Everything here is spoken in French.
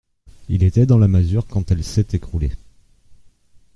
Il était dans la masure quand elle s'est écroulée.